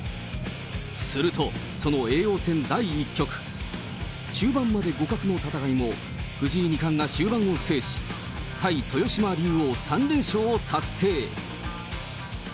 すると、その叡王戦第１局、中盤まで互角の戦いも、藤井二冠が終盤を制し、対豊島竜王３連勝を達成。